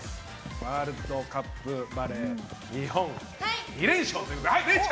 ワールドカップバレー日本２連勝ということで。